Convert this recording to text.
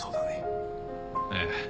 ええ。